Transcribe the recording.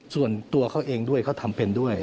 ส่วนตัวเขาเองด้วยเขาทำเป็นด้วย